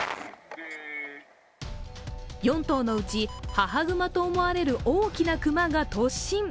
４頭のうち、母熊と思われる大きな熊が突進。